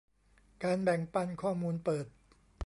การแบ่งปันข้อมูลเปิด